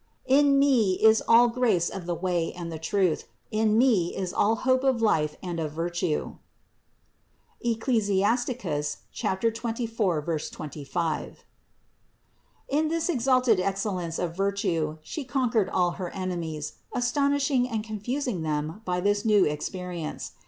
"In me is all grace of the way and the truth, in me is all hope of life and of virtue" (Eccli. 24, 25). In this exalted excel lence of virtue She conquered all her enemies, astonishing and confusing them by this new experience.